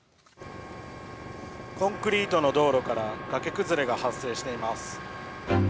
コンクリートの道路から崖崩れが発生しています。